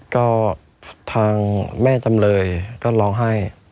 ก็ทางแม่จำเลยก็ร้องไห้